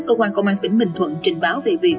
cơ quan công an tỉnh bình thuận trình báo về việc